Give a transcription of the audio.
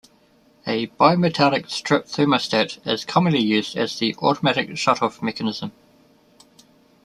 A bimetallic strip thermostat is commonly used as the automatic shut-off mechanism.